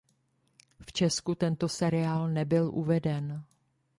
V Česku tento seriál nebyl uveden.